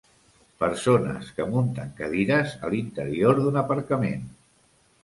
Persones que munten cadires a l'interior d'un aparcament